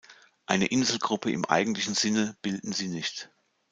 Eine Inselgruppe im eigentlichen Sinne bilden sie nicht.